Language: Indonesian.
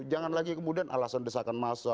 jangan lagi kemudian alasan desakan massa